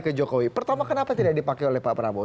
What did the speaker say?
ke jokowi pertama kenapa tidak dipakai oleh pak prabowo